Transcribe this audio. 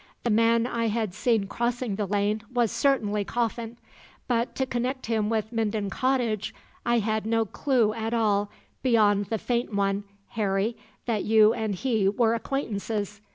The man I had seen crossing the lane was certainly Coffin, but to connect him with Minden Cottage I had no clue at all beyond the faint one, Harry, that you and he were acquaintances.